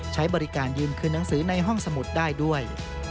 ใช้บริการยืนคืนหนังสือในห้องสมุดได้ด้วย